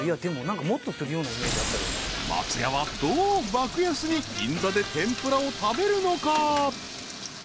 ［松也はどう爆安に銀座で天ぷらを食べるのか？］